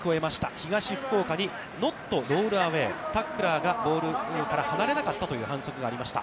東福岡にノットロールアウェイ、タックラーがボールから離れなかったという反則がありました。